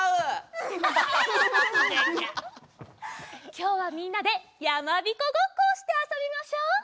きょうはみんなでやまびこごっこをしてあそびましょう。